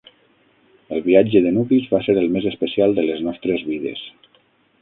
El viatge de nuvis va ser el més especial de les nostres vides.